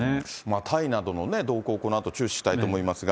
タイなどの動向、このあと注視したいと思いますが。